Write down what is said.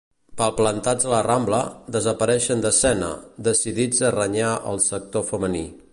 Palplantats a la Rambla, desapareixen d'escena, decidits a renyar el sector femení.